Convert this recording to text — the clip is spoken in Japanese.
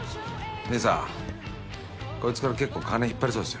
姐さんこいつから結構金引っ張れそうですよ。